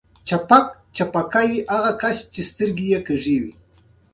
تالابونه د افغانستان د بڼوالۍ یوه مهمه برخه ده.